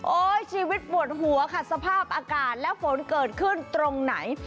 ชีวิตปวดหัวค่ะสภาพอากาศและฝนเกิดขึ้นตรงไหน